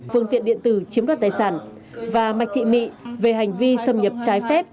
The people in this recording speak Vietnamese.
phương tiện điện tử chiếm đoạt tài sản và mạch thị mị về hành vi xâm nhập trái phép